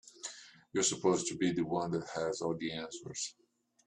You're supposed to be the one that has all the answers.